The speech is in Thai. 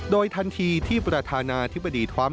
โดยทันทีที่ประธานาธิบดีทรัมป